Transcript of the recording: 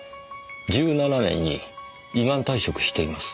１７年に依願退職しています。